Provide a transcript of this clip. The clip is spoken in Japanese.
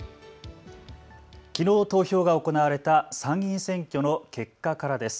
きのう投票が行われた参議院選挙の結果からです。